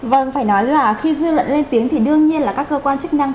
vâng phải nói là khi dư luận lên tiếng thì đương nhiên là các cơ quan chức năng